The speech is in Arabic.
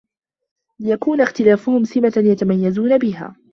لِيَكُونَ اخْتِلَافُهُمْ سِمَةً يَتَمَيَّزُونَ بِهَا